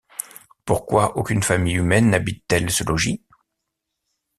Pourquoi aucune famille humaine n’habite-t-elle ce logis ?